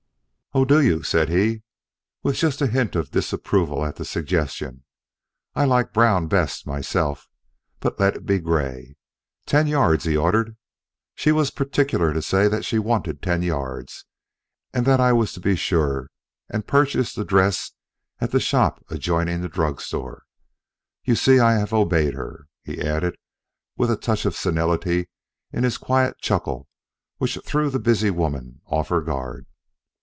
"Oh, do you?" said he, with just a hint of disapproval at the suggestion. "I like brown best, myself; but let it be the gray. Ten yards," he ordered. "She was particular to say that she wanted ten yards, and that I was to be sure and purchase the dress at the shop adjoining the drug store. You see I have obeyed her," he added with a touch of senility in his quiet chuckle which threw the busy woman off her guard.